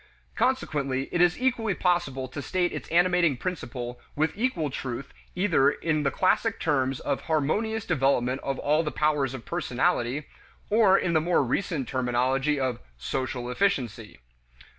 Consequently, it is equally possible to state its animating principle with equal truth either in the classic terms of "harmonious development of all the powers of personality" or in the more recent terminology of "social efficiency."